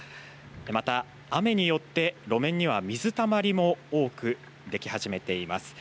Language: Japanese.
また雨によって路面には水たまりも多く出来始めています。